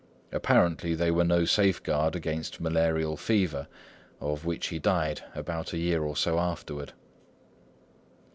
Apparently they were no safeguard against malarial fever, of which he died about a year or so afterward.